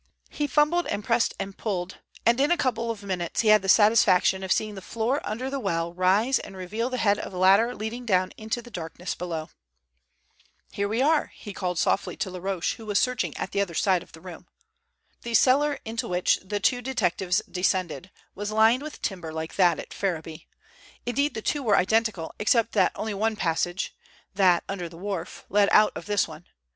He fumbled and pressed and pulled, and in a couple of minutes he had the satisfaction of seeing the floor under the well rise and reveal the head of a ladder leading down into the darkness below. "Here we are," he called softly to Laroche, who was searching at the other side of the room. The cellar into which the two detectives descended was lined with timber like that at Ferriby. Indeed the two were identical, except that only one passage—that under the wharf—led out of this one.